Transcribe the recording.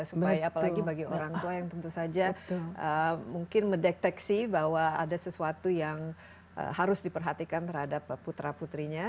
supaya apalagi bagi orang tua yang tentu saja mungkin mendeteksi bahwa ada sesuatu yang harus diperhatikan terhadap putra putrinya